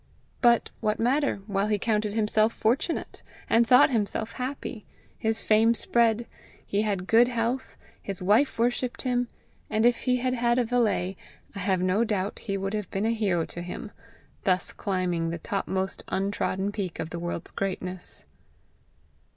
But what matter, while he counted himself fortunate, and thought himself happy! his fame spread; he had good health; his wife worshipped him; and if he had had a valet, I have no doubt he would have been a hero to him, thus climbing the topmost untrodden peak of the world's greatness.